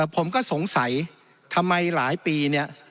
ผมก็สงสัยทำไมหลายปีเนี่ย